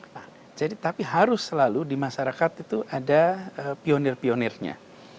nah jadi tapi harus selalu di masyarakat itu ada pionir pionirnya